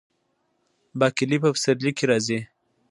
باقلي په پسرلي کې راځي.